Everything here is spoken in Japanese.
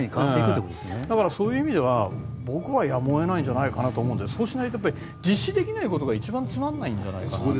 だから、そういう意味では僕はやむを得ないんじゃないかと思うのでそうしないと実施できないことが一番つまらないので。